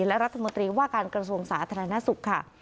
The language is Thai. และรัฐมนตรีว่าการกระทรวงสาธารณสุขค่ะ